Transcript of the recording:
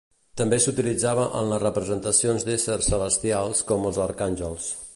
També s'utilitzava en les representacions d'éssers celestials com els arcàngels.